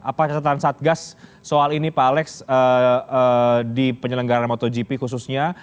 apa catatan satgas soal ini pak alex di penyelenggaran motogp khususnya